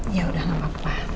yaudah gak apa apa